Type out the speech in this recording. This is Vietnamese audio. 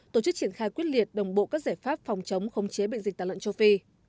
tổ chức triển khai quyết liệt đồng bộ các giải pháp phòng chống khống chế bệnh dịch tả lợn châu phi